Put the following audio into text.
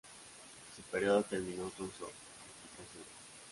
Su periodo terminó con su abdicación.